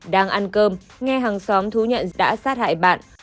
đang ăn cơm nghe hàng xóm thú nhận đã sát hại bạn